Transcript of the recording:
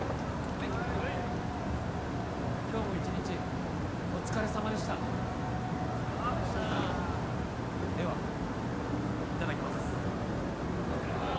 はい今日も一日お疲れさまでしたお疲れさまでしたではいただきますいただきます